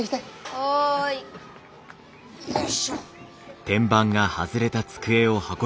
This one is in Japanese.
はい。よいしょ。